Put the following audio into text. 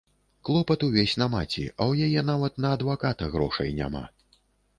Клопат увесь на маці, а ў яе нават на адваката грошай няма.